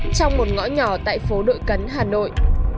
trong một ngõ nhỏ tại phố đội cấn hà nội